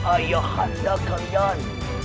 ayah anda kalian